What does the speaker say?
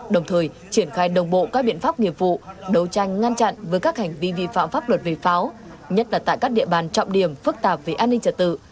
đồng thời triển khai đồng bộ các biện pháp nghiệp vụ đấu tranh ngăn chặn với các hành vi vi pháp luật về pháo nhất là tại các địa bàn trọng điểm pháp luật về pháo